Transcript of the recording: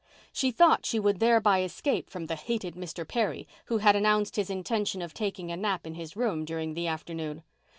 She thought she would thereby escape from the hated Mr. Perry, who had announced his intention of taking a nap in his room during the afternoon.